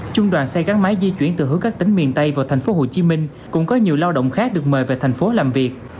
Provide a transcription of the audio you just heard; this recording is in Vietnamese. trung đoàn xe gắn máy di chuyển từ hướng các tỉnh miền tây vào tp hcm cũng có nhiều lao động khác được mời về thành phố làm việc